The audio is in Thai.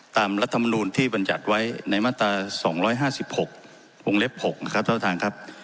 ตามรัฐมนูลที่บันจัดไว้ในมาตราสองร้อยห้าสิบหกวงเล็กหกนะครับท่านประธานครับ